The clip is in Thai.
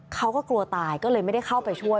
เขาก็กลัวตายก็เลยไม่ได้เข้าไปช่วย